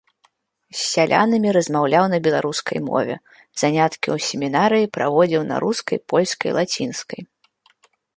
З сялянамі размаўляў на беларускай мове, заняткі ў семінарыі праводзіў на рускай, польскай, лацінскай.